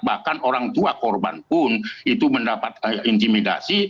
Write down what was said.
bahkan orang tua korban pun itu mendapat intimidasi